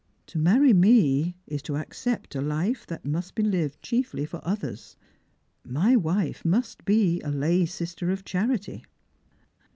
To marry me is to accept a life that must bo lived chiefly for others. My wife must be a lay sister of charity.